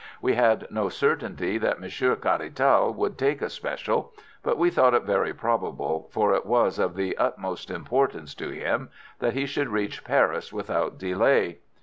We had no certainty that Monsieur Caratal would take a special, but we thought it very probable, for it was of the utmost importance to him that he should reach Paris without delay.